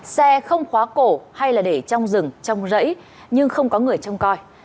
xe không khóa cổ hay là để trong rừng trong rẫy nhưng không có người trông coi